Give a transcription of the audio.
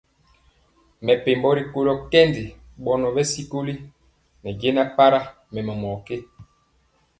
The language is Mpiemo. Mɛpembo rikolo kɛndi bɔnɔ bɛ sikoli ne jɛna para mɛmɔ mɔ ké.